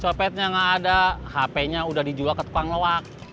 copetnya gak ada hpnya udah dijual ke tukang loak